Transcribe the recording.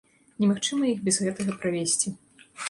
Немагчыма іх без гэтага правесці.